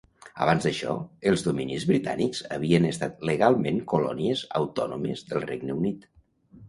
Abans d'això, els Dominis britànics havien estat legalment colònies autònomes del Regne Unit.